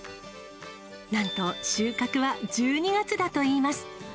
なんと収穫は１２月だといいます。